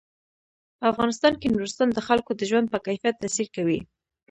په افغانستان کې نورستان د خلکو د ژوند په کیفیت تاثیر کوي.